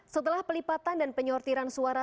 setelah pelipatan dan penyortiran suara